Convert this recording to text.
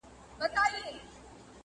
ما یې له منبره د بلال ږغ اورېدلی دی؛